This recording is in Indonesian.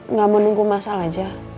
nggak mau nunggu mas al aja